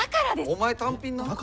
お前単品な。